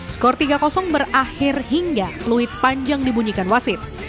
skor tiga berakhir hingga peluit panjang dibunyikan wasit